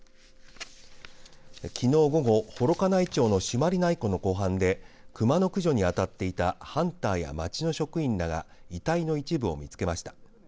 きのう午後、幌加内町の朱鞠内湖の湖畔で熊の駆除にあたっていたハンターや町の職員らが遺体の一部を見つけました。